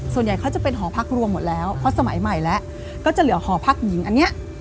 ส่วนใหญ่เขาจะเป็นหอพักรวมหมดแล้วเพราะสมัยใหม่แล้วก็จะเหลือหอพักหญิงอันเนี้ย